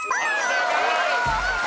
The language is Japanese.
正解！